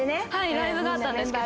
ライブがあったんですけど